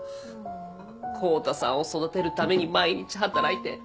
康太さんを育てるために毎日働いて。